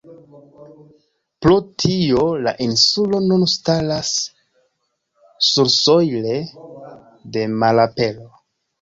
Pro tio, la insulo nun staras sursojle de malapero.